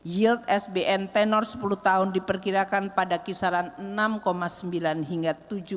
yield sbn tenor sepuluh tahun diperkirakan pada kisaran enam sembilan hingga tujuh